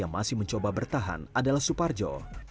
yang masih mencoba bertahan adalah suparjo